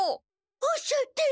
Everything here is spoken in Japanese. おっしゃってる！